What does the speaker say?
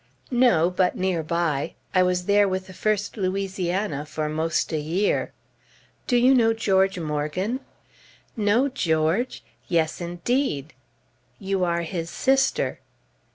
"No; but near by. I was there with the First Louisiana for 'most a year." "Do you know George Morgan?" "Know George? Yes, indeed! You are his sister."